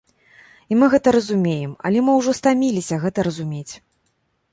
І мы гэта разумеем, але мы ўжо стаміліся гэта разумець.